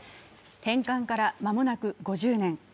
返還から間もなく５０年。